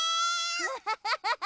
ハハハハハ。